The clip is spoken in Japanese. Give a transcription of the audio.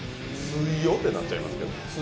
「強っ！」ってなっちゃいますけど。